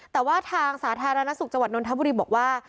แต่ว่าทางสาธารณสุขจังหวัดนทบุรีบอกว่า